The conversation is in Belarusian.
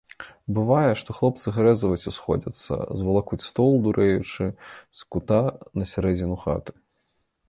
Бывае, што хлопцы гарэзаваць усходзяцца, звалакуць стол, дурэючы, з кута на сярэдзіну хаты.